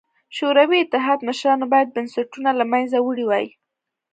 شوروي اتحاد مشرانو باید بنسټونه له منځه وړي وای.